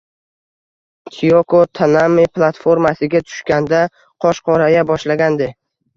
Tiyoko Tanami platformasiga tushganda qosh qoraya boshlagandi